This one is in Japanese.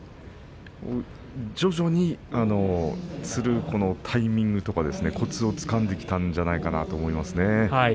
徐々に、つるタイミングコツをつかんできたんじゃないかなと思います。